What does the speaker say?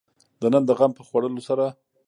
د نن د غم په خوړلو سره.